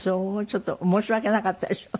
ちょっと申し訳なかったでしょ。